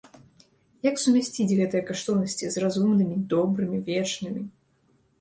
Як сумясціць гэтыя каштоўнасці з разумнымі, добрымі, вечнымі?